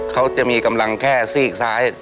เขาจะมีกำลังแค่ซีกซ้าย